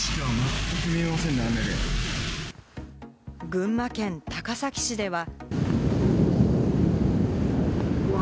群馬県高崎市では。